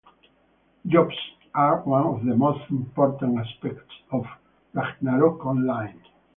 "Jobs" are one of the most important aspects of "Ragnarok Online".